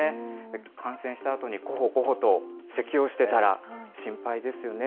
感染したあとにごほごほとせきをしてたら、心配ですよね。